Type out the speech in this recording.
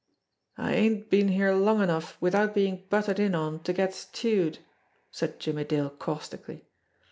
"I ain't been here long enough, without being butted in on, to get stewed," said Jimmie Dale caustically.